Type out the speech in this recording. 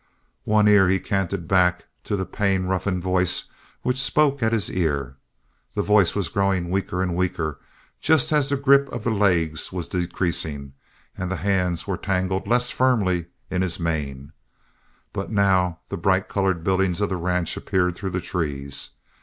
One ear he canted back to the pain roughened voice which spoke at his ear. The voice was growing weaker and weaker, just as the grip of the legs was decreasing, and the hands were tangled less firmly in his mane, but now the bright colored buildings of the ranch appeared through the trees.